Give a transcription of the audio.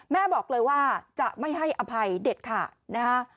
แม่บอกเลยว่าจะไม่ให้อภัยเด็ดขาดนะฮะ